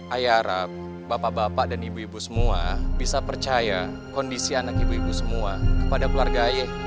ayah harap bapak bapak dan ibu ibu semua bisa percaya kondisi anak ibu ibu semua kepada keluarga ayah